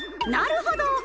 なるほど！